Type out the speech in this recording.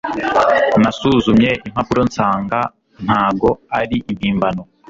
Nasuzumye impapuronsanga ntago ari impimbano